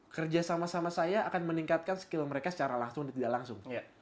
kerja sama sama saya akan meningkatkan skill mereka secara langsung dan tidak langsung